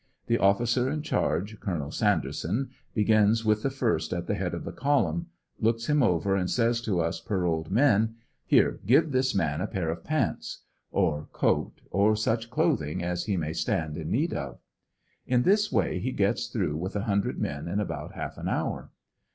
The officer in charge. Col. Sanderson, begins with the first at the head of the column, looks him over, and says to us paroled men: ''Here, give this man a pair of pants," or coat, or such clothing as he may stand in need of. In this way he gets through with a hundred men in about half an hour.